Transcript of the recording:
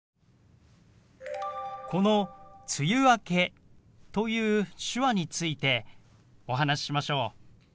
この「梅雨明け」という手話についてお話ししましょう。